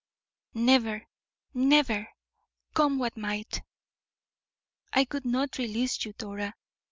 never, never come what might! "I would not release you, Dora.